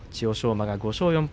馬は５勝４敗